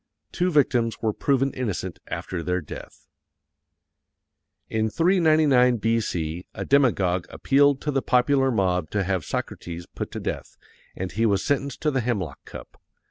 Two victims were proven innocent after their death. IN 399 B.C. A DEMAGOG APPEALED TO THE POPULAR MOB TO HAVE SOCRATES PUT TO DEATH _and he was sentenced to the hemlock cup.